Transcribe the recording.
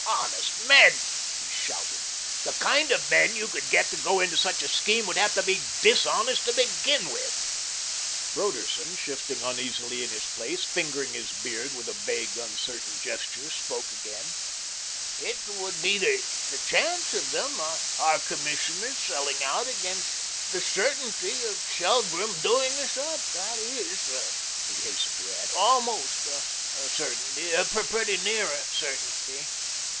"Honest men!" he shouted; "the kind of men you could get to go into such a scheme would have to be DIS honest to begin with." Broderson, shifting uneasily in his place, fingering his beard with a vague, uncertain gesture, spoke again: "It would be the CHANCE of them our Commissioners selling out against the certainty of Shelgrim doing us up. That is," he hastened to add, "ALMOST a certainty; pretty near a certainty."